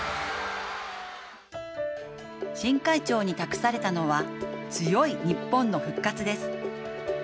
新会長に託されたのは強いニッポンの復活です。